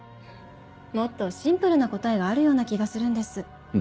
もっとシンプルな答えがあるような気がするんです。